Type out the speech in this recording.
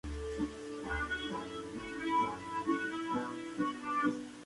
Cuenta con representación en voleibol, balonmano, baloncesto y tenis de mesa.